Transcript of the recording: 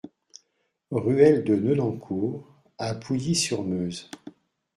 Ruelle de Nonancourt à Pouilly-sur-Meuse